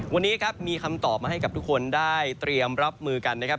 วันนี้ครับมีคำตอบมาให้กับทุกคนได้เตรียมรับมือกันนะครับ